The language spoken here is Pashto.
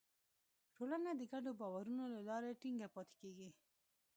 ټولنه د ګډو باورونو له لارې ټینګه پاتې کېږي.